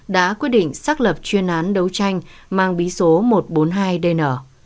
đã quyết định xác lập chuyên án đấu tranh mang bí số một trăm bốn mươi hai dn